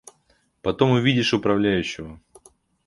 Потом увидишь управляющего.